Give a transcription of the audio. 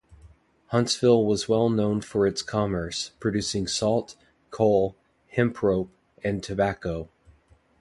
Huntsville was well known for its commerce, producing salt, coal, hemp rope, and tobacco.